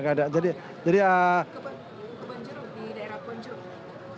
ke banjiru di daerah banjiru